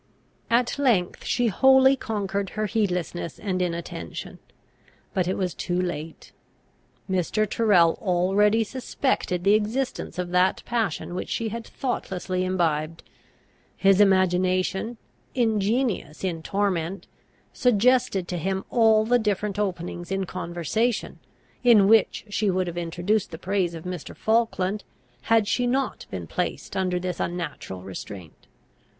At length she wholly conquered her heedlessness and inattention. But it was too late. Mr. Tyrrel already suspected the existence of that passion which she had thoughtlessly imbibed. His imagination, ingenious in torment, suggested to him all the different openings in conversation, in which she would have introduced the praise of Mr. Falkland, had she not been placed under this unnatural restraint.